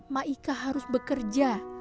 ma icah harus bekerja